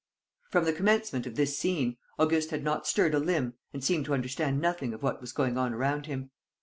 From the commencement of this scene, Auguste had not stirred a limb and seemed to understand nothing of what was going on around him.